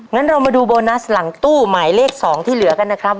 งั้นเรามาดูโบนัสหลังตู้หมายเลข๒ที่เหลือกันนะครับ